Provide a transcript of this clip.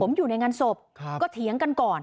ผมอยู่ในงานศพก็เถียงกันก่อน